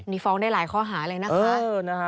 นี่ฟ้องได้หลายข้อหาเลยนะคะ